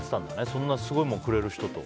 そんなすごいものくれる人と。